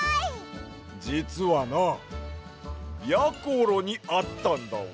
じつはなやころにあったんだわ。